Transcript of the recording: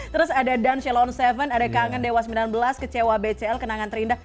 terus ada down shallown seven ada kangen dewa sembilan belas kecewa bcl kenangan terindah